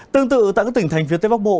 tương tự tại các tỉnh thành phía tây bắc bộ